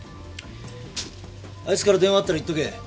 あいつから電話あったら言っとけ。